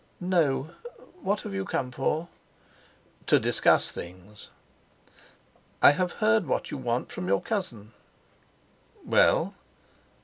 "No? What have you come for?" "To discuss things." "I have heard what you want from your cousin." "Well?"